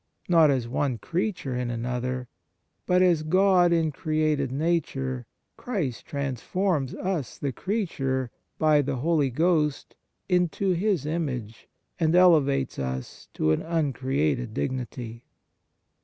II THE MARVELS OF DIVINE GRACE creature in another, but as God in created nature Christ transforms us, the creature, by the Holy Ghost into His image, and elevates us to an uncreated dignity."